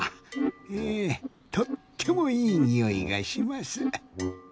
えとってもいいにおいがします。